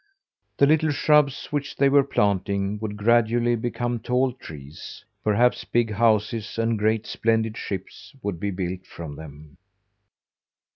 The little shrubs which they were planting would gradually become tall trees. Perhaps big houses and great splendid ships would be built from them!